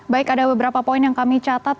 baik ada beberapa poin yang kami catat